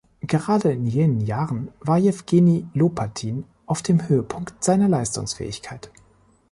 Gerade in jenen Jahren war Jewgeni Lopatin auf dem Höhepunkt seiner Leistungsfähigkeit.